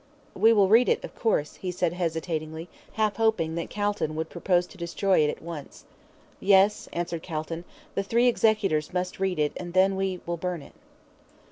"We will read it, of course," he said, hesitating, half hoping that Calton would propose to destroy it at once. "Yes," answered Calton; "the three executors must read it, and then we will burn it."